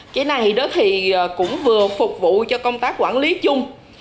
cái này cũng vừa phục vụ cho công tác quản lý chung